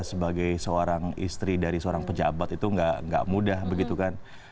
sebagai seorang istri dari seorang pejabat itu nggak mudah begitu kan